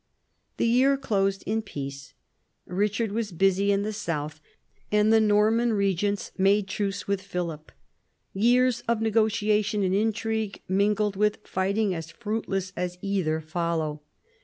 The year closed in peace. Eichard was busy in the south, and the Norman regents made truce with Philip. Years of negotiation and intrigue, mingled with fight ing as fruitless as either, follow.